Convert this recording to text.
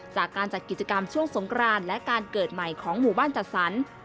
จากการจัดกิจกรรมช่วงสงครานและการเกิดใหม่ของหมู่บ้านจัดสรร